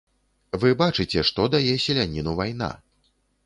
Вы бачыце, што дае селяніну вайна.